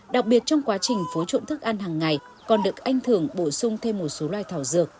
đặc biệt trong quá trình phối trộn thức ăn hàng ngày còn được anh thưởng bổ sung thêm một số loài thảo dược